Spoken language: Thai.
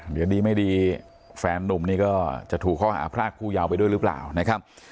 เดี๋ยวดีไม่ดีแฟนนุ่มนี่ก็จะถูกข้อหาพรากผู้ยาวไปด้วยหรือเปล่านะครับ